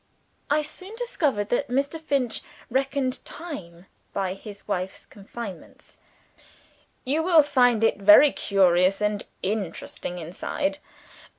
(I soon discovered that Mr. Finch reckoned time by his wife's confinements.) "You will find it very curious and interesting inside.